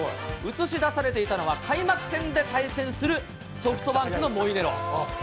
映し出されていたのは、開幕戦で対戦するソフトバンクのモイネロ。